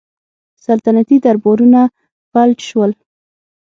سلطنتي دربارونه فلج شول